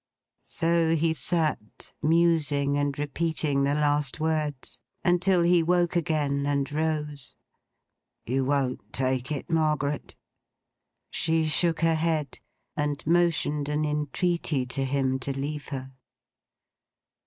So he sat musing, and repeating the last words, until he woke again, and rose. 'You won't take it, Margaret?' She shook her head, and motioned an entreaty to him to leave her.